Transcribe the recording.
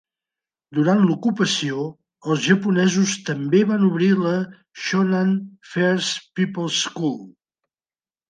Durant l'ocupació, els japonesos també van obrir la Shonan First People's School.